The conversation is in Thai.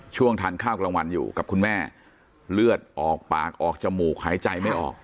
ทานข้าวกลางวันอยู่กับคุณแม่เลือดออกปากออกจมูกหายใจไม่ออก